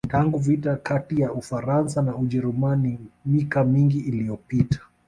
Tangu vita kati ya Ufaransa na Ujerumani mika mingi iliyopita